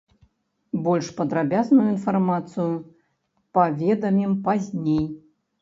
Больш падрабязную інфармацыю паведамім пазней.